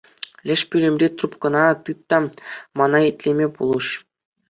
Леш пӳлӗмри трубкӑна тыт та мана итлеме пулӑш.